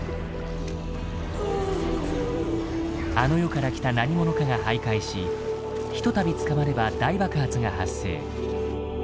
あの世から来た何ものかが徘徊しひとたび捕まれば大爆発が発生。